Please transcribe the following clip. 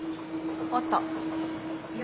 あった。